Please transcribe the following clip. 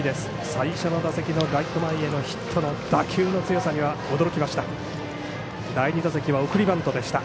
最初の打席のライト前へのヒットの打球の強さには驚きました。